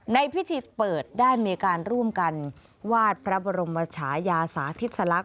ในพิธีเปิดได้มีการร่วมกันวาดพระบรมชายาสาธิสลักษ